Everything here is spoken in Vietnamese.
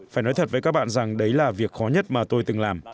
phải nói thật với các bạn rằng đấy là việc khó nhất mà tôi từng làm